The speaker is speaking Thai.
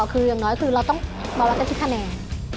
คืออย่างน้อยคือเราต้องมาวัดกันที่คะแนน